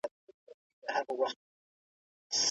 په پرمختيايي هيوادونو کي د عايد لږه برخه پس انداز کيږي.